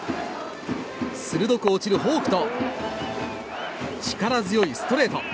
鋭く落ちるフォークと力強いストレート。